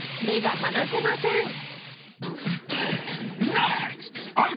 目が離せません］